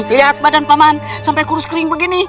lihat badan paman sampai kurus kering begini